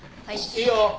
・いいよ。